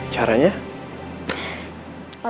jangananya gue mau